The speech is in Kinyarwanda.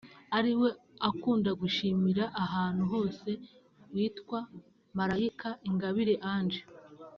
ariwe akunda gushimira ahantu hose witwa Malaika Ingabire Ange